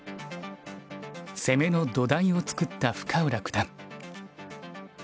攻めの土台を作った深浦九段。